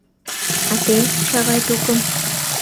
А те — Чавай тукым.